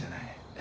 え？